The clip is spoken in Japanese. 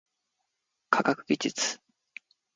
科学技術